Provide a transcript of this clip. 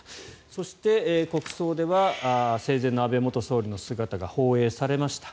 そして国葬では生前の安倍元総理の姿が放映されました。